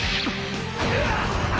・うわ！